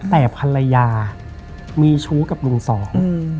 แต่ภรรยามีชู้กับลุงสอง